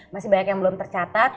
masih banyak yang belum tercatat